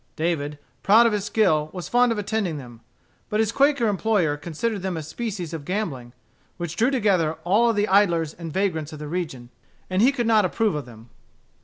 David, proud of his skill, was fond of attending them. But his Quaker employer considered them a species of gambling, which drew together all the idlers and vagrants of the region, and he could not approve of them.